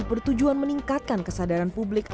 bertujuan meningkatkan kesadaran publik